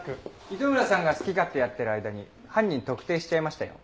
糸村さんが好き勝手やってる間に犯人特定しちゃいましたよ。